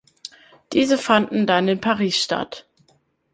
Diese fanden dann in Paris statt.